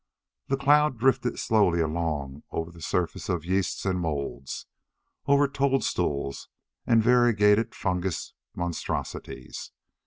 The cloud drifted slowly along over the surface of yeasts and moulds, over toadstools and variegated fungus monstrosities.